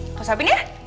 aku suapin ya